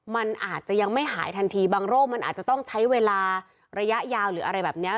มันอาจจะยังไม่หายทันทีบางโรคมันอาจจะต้องใช้เวลาระยะยาวหรืออะไรแบบนี้